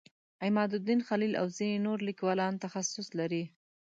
عمادالدین خلیل او ځینې نور لیکوال تخصص لري.